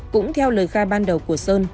cũng theo lời khai ban đầu của sơn